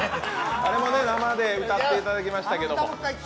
あれも生で歌っていただきましたけど。